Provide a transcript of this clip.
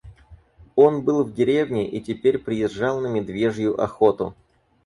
Он был в деревне и теперь приезжал на медвежью охоту.